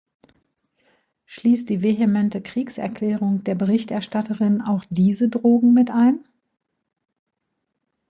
Schließt die vehemente Kriegserklärung der Berichterstatterin auch diese Drogen mit ein?